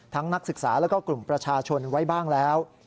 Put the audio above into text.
นักศึกษาแล้วก็กลุ่มประชาชนไว้บ้างแล้ว